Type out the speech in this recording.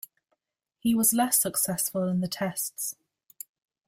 He was less successful in the Tests.